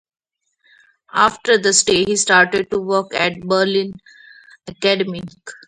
After the stay he started to work at the Berlin Akademie.